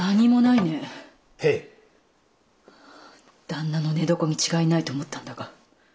旦那の寝床に違いないと思ったんだが。